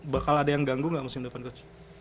bakal ada yang ganggu gak musim depan coach